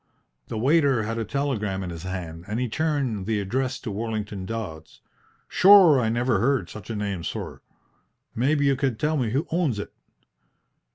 The waiter had a telegram in his hand, and he turned the address to Worlington Dodds. "Shure I niver heard such a name, sorr. Maybe you could tell me who owns it?"